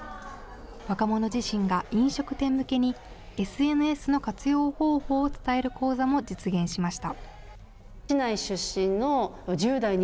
若者自身が飲食店向けにＳＮＳの活用方法を伝える講座も実現しました。